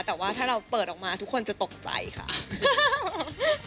แต่ว่าถ้าเราเปิดออกมาทุกคนจะตกใจค่ะ